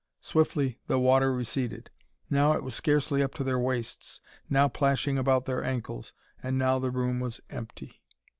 Swiftly the water receded. Now it was scarcely up to their waists, now plashing about their ankles, and now the room was empty.